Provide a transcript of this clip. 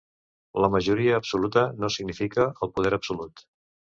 La majoria absoluta no significa el poder absolut.